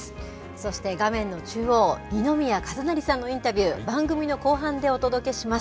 そして画面の中央、二宮和也さんのインタビュー、番組の後半でお届けします。